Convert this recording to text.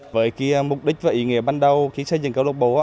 với mục đích và ý nghĩa ban đầu khi xây dựng câu lộc bộ